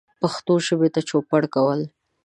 پښتو ژبې ته چوپړ کول